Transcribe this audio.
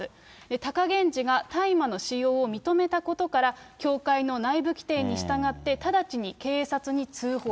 貴源治が大麻の使用を認めたことから、協会の内部規定に従って直ちに警察に通報。